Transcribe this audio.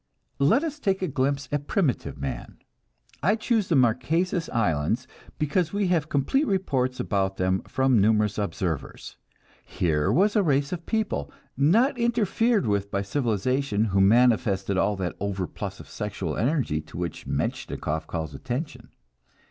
Let us take a glimpse at primitive man. I choose the Marquesas Islands, because we have complete reports about them from numerous observers. Here was a race of people, not interfered with by civilization, who manifested all that overplus of sexual energy to which Metchnikoff calls attention.